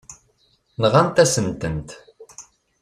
Nɣant-asen-tent.